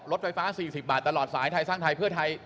รถไฟฟ้า๔๐บาทตลอดสายไทยสร้างไทยเพื่อไทย